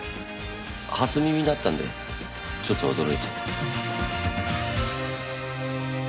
初耳だったんでちょっと驚いて。